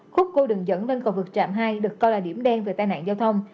khúc cô đường dẫn lên cầu vượt trạm hai được coi là điểm đen về tai nạn giao thông